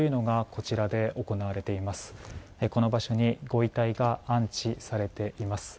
この場所にご遺体が安置されています。